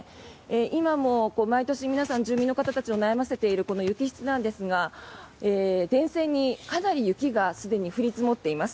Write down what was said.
今も毎年、皆さん住民の方たちを悩ませているこの雪質なんですが電線にかなり雪がすでに降り積もっています。